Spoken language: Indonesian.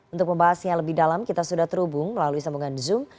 untuk membahasnya lebih dalam kita sudah terhubung melalui sambungan zoom